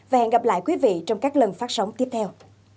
và hẹn gặp lại quý vị trong các lần phát sóng tiếp theo